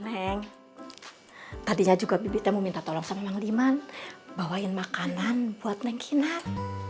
neng tadinya juga bibitnya mau minta tolong sama mang liman bawain makanan buat noon kinar